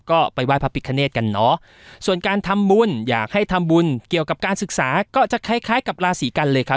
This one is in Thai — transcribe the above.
ก็ไปไหว้พระพิคเนธกันเนอะส่วนการทำบุญอยากให้ทำบุญเกี่ยวกับการศึกษาก็จะคล้ายคล้ายกับราศีกันเลยครับ